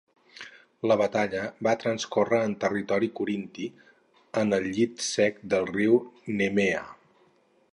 La batalla va transcórrer en territori corinti, en el llit sec del riu Nemea.